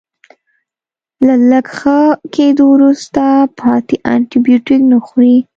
له لږ ښه کیدو وروسته پاتې انټي بیوټیک نه خوري.